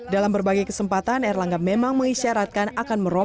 dalam berbagai kesempatan erlangga memang mengisyaratkan